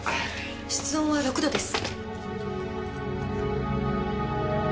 室温は６度です。